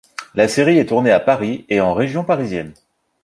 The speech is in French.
La série est tournée à Paris et en Région parisienne.